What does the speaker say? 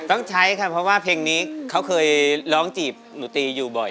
ต้องใช้ค่ะเพราะว่าเพลงนี้เขาเคยร้องจีบหนูตีอยู่บ่อย